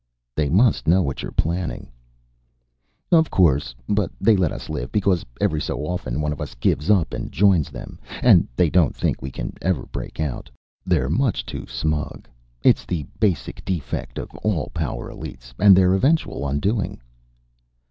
"They must know what you're planning." "Of course. But they let us live because, every so often, one of us gives up and joins them. And they don't think we can ever break out. They're much too smug. It's the basic defect of all power elites, and their eventual undoing."